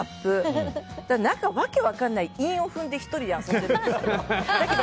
何か訳分かんない韻を踏んで１人で遊んでるんですよ。